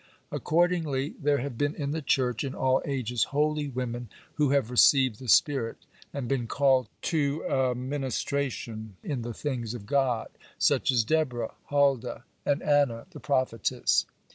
Accordingly there have been in the Church, in all ages, holy women who have received the Spirit, and been called to a ministration in the things of God—such as Deborah, Huldah, and Anna the prophetess.